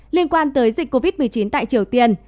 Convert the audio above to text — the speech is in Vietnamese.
liên quan tới dịch covid một mươi chín tại triều tiên